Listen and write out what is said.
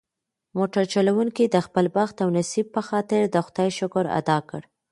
موټر چلونکي د خپل بخت او نصیب په خاطر د خدای شکر ادا کړ.